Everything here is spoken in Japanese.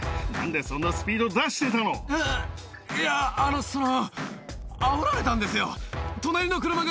あぁいやあのその。